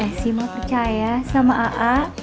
eh sih mau percaya sama a'a